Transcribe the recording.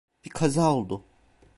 Bir kaza oldu.